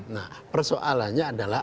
nah persoalannya adalah